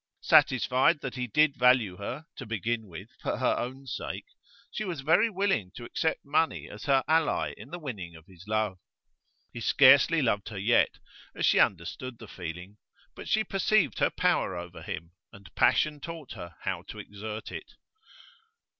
Satisfied that he did value her, to begin with, for her own sake, she was very willing to accept money as her ally in the winning of his love. He scarcely loved her yet, as she understood the feeling, but she perceived her power over him, and passion taught her how to exert it.